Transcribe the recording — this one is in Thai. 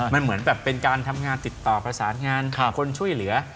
มันเหมือนแบบเป็นการทำงานติดต่อประสานงานคนช่วยเหลือ